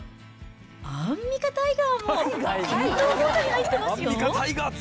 アンミカタイガーも戦闘モードに入ってますよ。